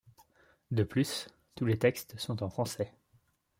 De plus, tous les textes sont en français.